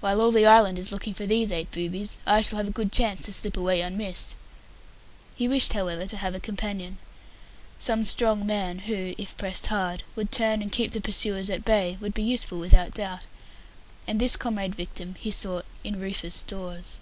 "While all the island is looking for these eight boobies, I shall have a good chance to slip away unmissed." He wished, however, to have a companion. Some strong man, who, if pressed hard, would turn and keep the pursuers at bay, would be useful without doubt; and this comrade victim he sought in Rufus Dawes.